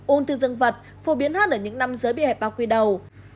ung thư dương vật phổ biến hơn ở những năm giới bị hẹp bao quy đầu